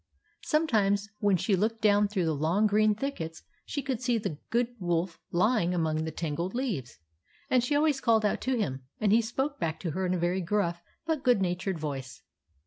Sometimes when she looked down through the long green thickets she could see the Good Wolf lying among the tangled leaves, and she always called out to him, and he spoke back to her in a very gruff, but good natured voice.